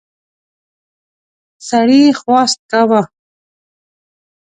سړي خواست کاوه.